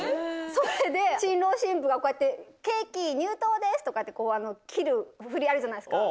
それで新郎新婦がこうやって、ケーキ入刀ですとかって、こう、切るふりあるじゃないですか。